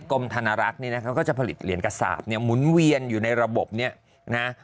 กรมธนรักษ์นี่นะเขาก็จะผลิตเหรียญกษาบหมุนเวียนอยู่ในระบบนี้นะฮะ